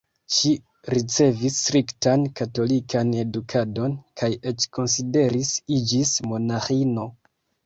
Ŝi ricevis striktan katolikan edukadon kaj eĉ konsideris iĝis monaĥino.